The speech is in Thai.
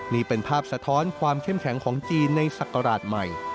นี่เป็นภาพสะท้อนความเข้มแข็งของจีนในศักราชใหม่